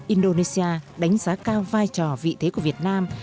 indonesia đánh giá cao vai trò vị thế của việt nam